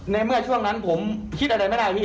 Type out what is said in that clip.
เมื่อช่วงนั้นผมคิดอะไรไม่ได้พี่